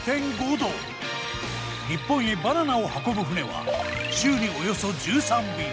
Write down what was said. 日本へバナナを運ぶ船は週におよそ１３便。